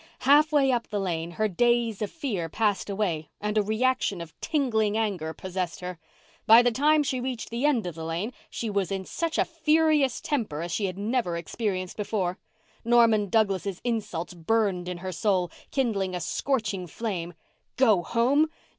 Half way up the lane her daze of fear passed away and a reaction of tingling anger possessed her. By the time she reached the end of the lane she was in such a furious temper as she had never experienced before. Norman Douglas' insults burned in her soul, kindling a scorching flame. Go home!